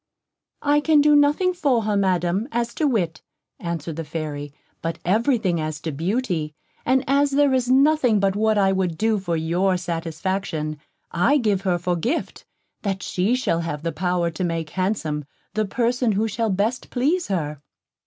"I can do nothing for her, Madam, as to wit," answered the Fairy, "but everything as to beauty; and as there is nothing but what I would do for your satisfaction, I give her for gift, that she shall have the power to make handsome the person who shall best please her."